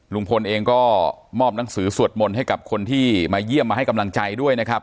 ลุงพลเองก็มอบหนังสือสวดมนต์ให้กับคนที่มาเยี่ยมมาให้กำลังใจด้วยนะครับ